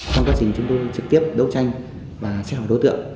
trong quá trình chúng tôi trực tiếp đấu tranh và xét hỏi đối tượng